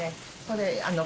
これ。